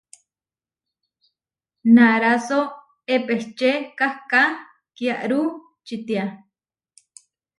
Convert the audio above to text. Naráso epečé kahká kiarú čitiá.